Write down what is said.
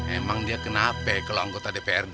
emang dia kenapa kalau anggota dprd